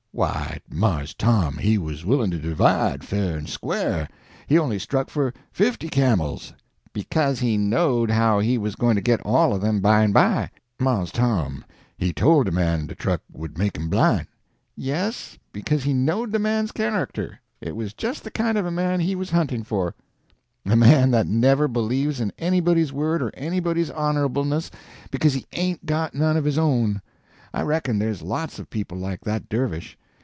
"Why, Mars Tom, he was willin' to divide, fair and square; he only struck for fifty camels." "Because he knowed how he was going to get all of them by and by." "Mars Tom, he tole de man de truck would make him bline." "Yes, because he knowed the man's character. It was just the kind of a man he was hunting for—a man that never believes in anybody's word or anybody's honorableness, because he ain't got none of his own. I reckon there's lots of people like that dervish.